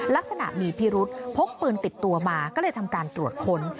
ลักษณะมีพิรุษพกปืนติดตัวมาก็เลยทำการตรวจค้น